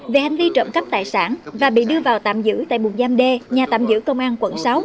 về hành vi trộm cắp tài sản và bị đưa vào tạm giữ tại một giam d nhà tạm giữ công an quận sáu